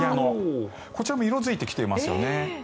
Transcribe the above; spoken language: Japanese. こちらも色付いてきていますよね。